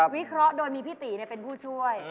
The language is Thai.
วิเคราะห์โดยมีพี่ตีเป็นผู้ช่วย